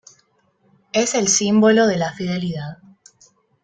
Es el símbolo de la fidelidad.